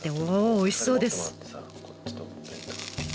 おいしそうです。